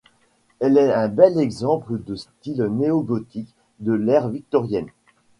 Elle est un bel exemple de style néo-gothique de l'ère victorienne.